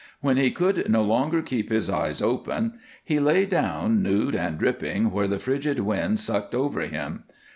When he could no longer keep his eyes open he lay down nude and dripping where the frigid wind sucked over him.